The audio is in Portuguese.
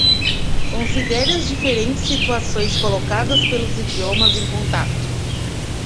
Considere as diferentes situações colocadas pelos idiomas em contato.